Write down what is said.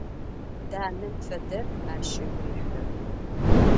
Данэм фэдэр ащ ыгу рихьырэп.